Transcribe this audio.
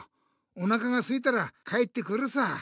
おなかがすいたら帰ってくるさ。